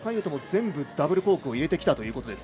斗も全部ダブルコークを入れてきました。